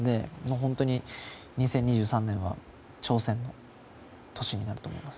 本当に、２０２３年は挑戦の年になると思います。